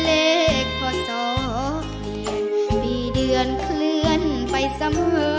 เลขพ่อสอเปลี่ยนปีเดือนเคลื่อนไปเสมอ